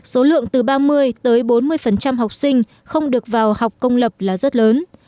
số lượng từ ba mươi tới bốn mươi học sinh không được vào học công lập là rất lớn